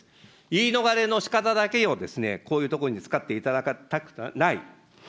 言い逃れのしかただけをこういうところに使っていただきたくない。